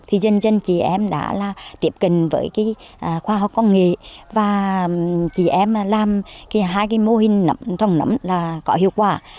thì dân dân chị em đã tiếp cận với khoa học công nghệ và chị em làm hai mô hình trồng nấm có hiệu quả